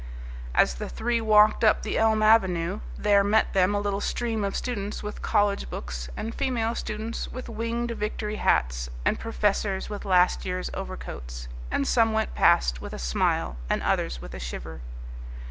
As the three walked up the elm avenue there met them a little stream of students with college books, and female students with winged victory hats, and professors with last year's overcoats. And some went past with a smile and others with a shiver.